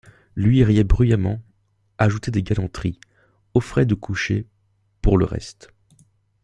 Lui riait bruyamment, ajoutait des galanteries, offrait de coucher, pour le reste.